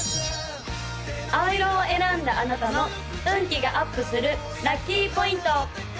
青色を選んだあなたの運気がアップするラッキーポイント！